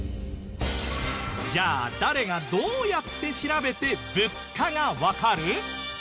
じゃあ誰がどうやって調べて物価がわかる？